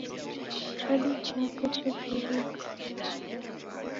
Chadu chapo cheturuka.